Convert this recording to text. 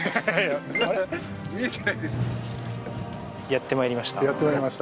やって参りました。